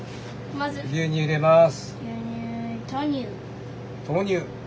牛乳入れます。